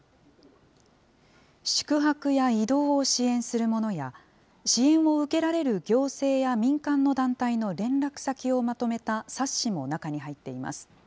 宿泊や移動を支援するものや、支援を受けられる行政や民間の団体の連絡先をまとめた冊子も中に入っています。